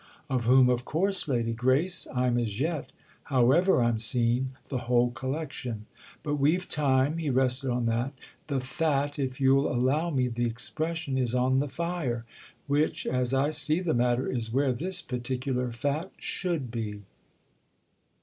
"Of whom, of course, Lady Grace, I'm as yet—however I'm 'seen'—the whole collection. But we've time"—he rested on that "The fat, if you'll allow me the expression, is on the fire—which, as I see the matter, is where this particular fat should be."